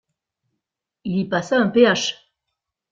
Il y passa un Ph.